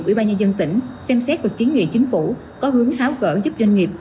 ủy ban nhân dân tỉnh xem xét và kiến nghị chính phủ có hướng tháo cỡ giúp doanh nghiệp